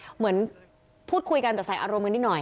เหมือนพูดคุยกันแต่ใส่อารมณ์กันนิดหน่อย